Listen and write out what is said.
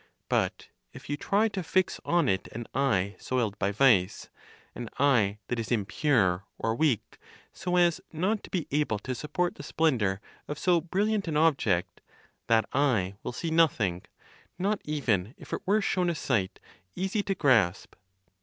But if you try to fix on it an eye soiled by vice, an eye that is impure, or weak, so as not to be able to support the splendor of so brilliant an object, that eye will see nothing, not even if it were shown a sight easy to grasp.